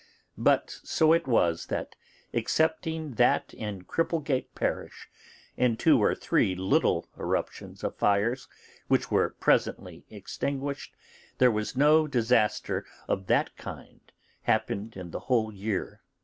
But so it was, that excepting that in Cripplegate parish, and two or three little eruptions of fires, which were presently extinguished, there was no disaster of that kind happened in the whole year.